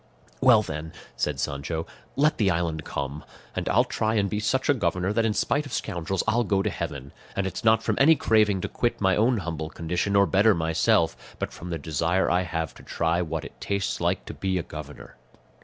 "Well then," said Sancho, "let the island come; and I'll try and be such a governor, that in spite of scoundrels I'll go to heaven; and it's not from any craving to quit my own humble condition or better myself, but from the desire I have to try what it tastes like to be a governor."